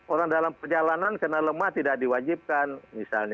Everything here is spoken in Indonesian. orang dalam perjalanan kena lemah tidak diwajibkan misalnya